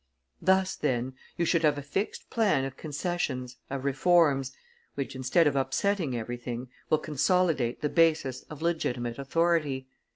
"Thus, then, you should have a fixed plan of concessions, of reforms, which, instead of upsetting everything, will consolidate the basis of legitimate authority.